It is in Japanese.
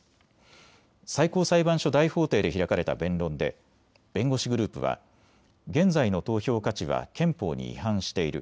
最高裁判所大法廷で開かれた弁論で弁護士グループは現在の投票価値は憲法に違反している。